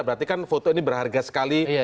berarti kan foto ini berharga sekali